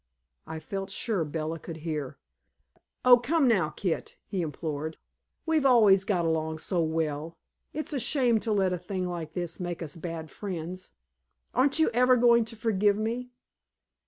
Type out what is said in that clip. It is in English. I felt sure Bella could hear. "Oh, come now, Kit," he implored, "we've always got along so well. It's a shame to let a thing like this make us bad friends. Aren't you ever going to forgive me?"